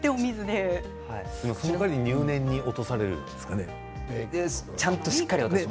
そのかわり入念に落とされるんですかね、メークは。